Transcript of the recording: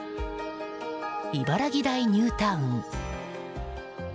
茨城台ニュータウン。